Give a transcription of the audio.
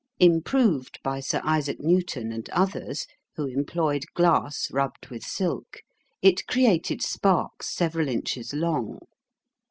Improved by Sir Isaac Newton and others, who employed glass rubbed with silk, it created sparks several inches long.